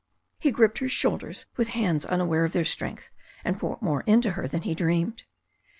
He gripped her shoulders with hands unaware of their strength, and put more into her than he dreamed.